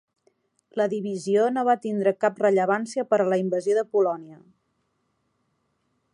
La divisió no va tindre cap rellevància per a la invasió de Polònia.